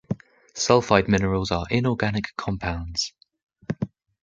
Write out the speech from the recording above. Sulfide minerals are inorganic compounds.